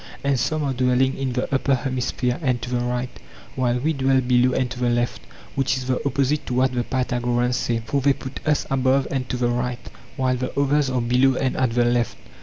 And some are dwelling in the upper hemisphere and to the: right, while we dwell below and to the left, which is the opposite to what the Pytha goreans say; for they put us above and to the right, while the others are below and at the left.